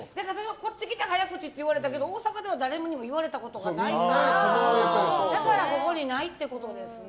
こっち来て早口って言われたけど大阪では誰にも言われたことがないからだから、ここにないってことですね。